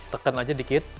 tekan aja dikit